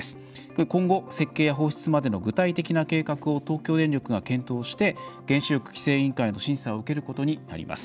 今後、設計や放出までの具体的な計画を東京電力が検討して、原子力規制委員会の審査を受けることになります。